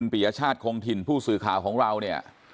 ปียชาติคงถิ่นผู้สื่อข่าวของเราเนี่ย